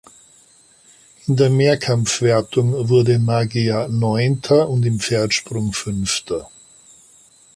In der Mehrkampfwertung wurde Magyar Neunter und im Pferdsprung Fünfter.